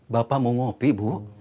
bapak mau ngopi bu